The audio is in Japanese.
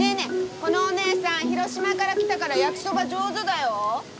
このお姉さん広島から来たから焼きそば上手だよ。